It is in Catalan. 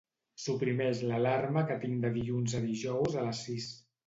Suprimeix l'alarma que tinc de dilluns a dijous a les sis.